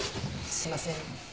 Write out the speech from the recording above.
すいません。